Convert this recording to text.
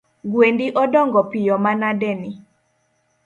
Gwendi odongo piyo manadeni!